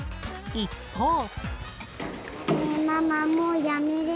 一方。